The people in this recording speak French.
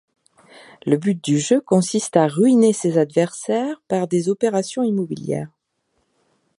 Le but du jeu consiste à ruiner ses adversaires par des opérations immobilières.